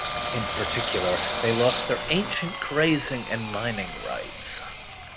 In particular, they lost their ancient grazing and mining rights.